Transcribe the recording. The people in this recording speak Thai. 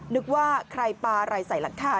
นึกว่าใครปลาอะไรใส่หลังคา